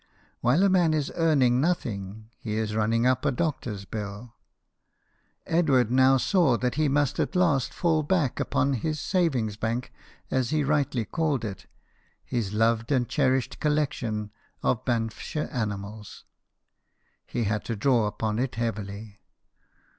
While a man is earning nothing, he is running up a doctor's bill. Edward now saw that he must at last fall back upon his savings bank, as he rightly called it his loved and cherished collection of Banffshire animals. He had to draw upon it heavily.